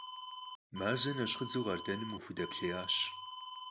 Мазэ нэщхъыдзэу къардэным къыхудэплъеящ.